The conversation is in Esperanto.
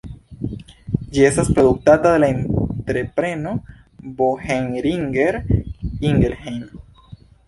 Ĝi estas produktata de la entrepreno Boehringer-Ingelheim.